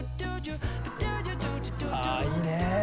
あいいね。